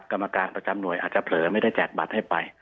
กรรมการประจำหน่วยอาจจะเผลอไม่ได้แจกบัตรให้ไป